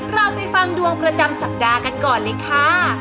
เราไปฟังดวงประจำสัปดาห์กันก่อนเลยค่ะ